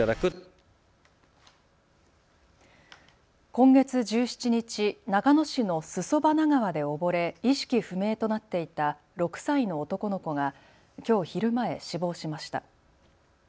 今月１７日、長野市の裾花川で溺れ、意識不明となっていた６歳の男の子がきょう昼前、死亡しました。